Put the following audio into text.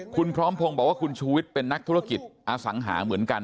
คุณพร้อมพงศ์บอกว่าคุณชูวิทย์เป็นนักธุรกิจอสังหาเหมือนกัน